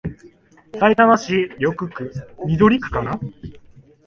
さいたま市緑区